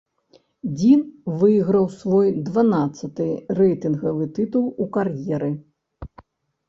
Дзін выйграў свой дванаццаты рэйтынгавы тытул у кар'еры.